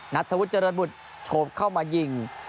นัทธวุฒิเจริญบุตรโฉบเข้ามายิง